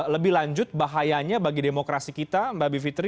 lebih lanjut bahayanya bagi demokrasi kita mbak abi fitri